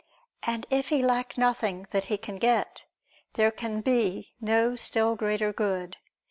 And if he lack nothing that he can get, there can be no still greater good.